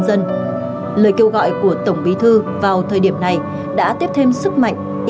dân lời kêu gọi của tổng bí thư vào thời điểm này đã tiếp thêm sức mạnh y tế công an quân đội